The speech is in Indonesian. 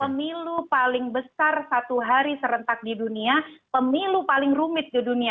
pemilu paling besar satu hari serentak di dunia pemilu paling rumit di dunia